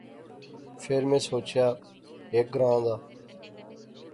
فیر میں سوچیا ہیک گراں دا